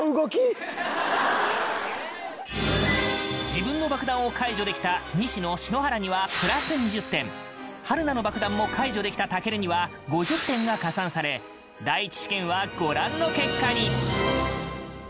自分の爆弾を解除できた西野、篠原にはプラス２０点、春菜の爆弾も解除できた健には５０点が加算され第１試験は、ご覧の結果に。